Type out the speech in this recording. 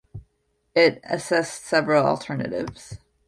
It assessed several alternatives.